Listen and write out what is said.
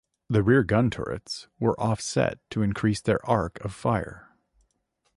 The rear gun turrets were offset to increase their arc of fire.